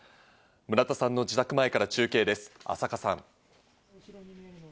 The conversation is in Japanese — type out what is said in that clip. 村田さんの自宅前から中継です、浅賀さん。